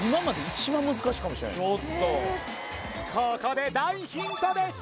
ちょっとここで大ヒントです